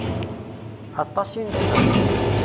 Aṭas i nečča.